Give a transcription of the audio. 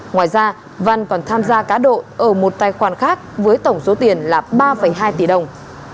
ngoài ra văn còn tham gia cá độ ở một tài khoản khác với tổng số tiền là ba hai tỷ đồng